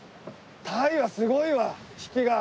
タイはすごいわ引きが。